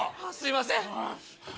あぁすいません！